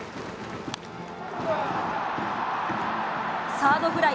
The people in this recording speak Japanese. サードフライ。